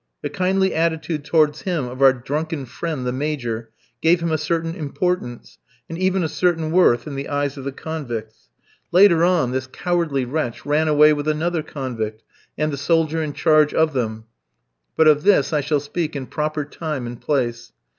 The kindly attitude towards him of our drunken friend, the Major, gave him a certain importance, and even a certain worth in the eyes of the convicts. Later on, this cowardly wretch ran away with another convict and the soldier in charge of them; but of this I shall speak in proper time and place.